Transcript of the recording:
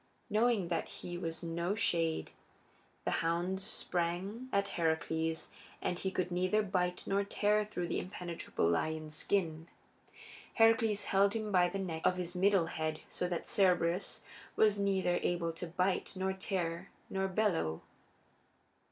Knowing that he was no shade, the hound sprang at Heracles, but he could neither bite nor tear through that impenetrable lion's skin. Heracles held him by the neck of his middle head so that Cerberus was neither able to bite nor tear nor bellow.